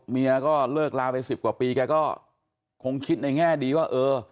เมียก็เลิกลาไปสิบกว่าปีแกก็คงคิดในแง่ดีว่าเออ